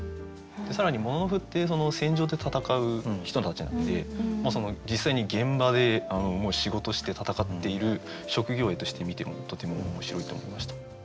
更に「もののふ」って戦場で戦う人たちなんで実際に現場で仕事して戦っている職業詠として見てもとても面白いと思いました。